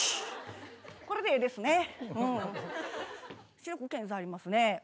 視力検査ありますね。